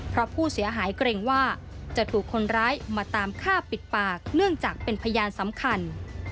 เพราะผู้เสียหายเกรงว่าจะถูกคนร้ายมาตามฆ่าปิดปากเนื่องจากเป็นพยานสำคัญ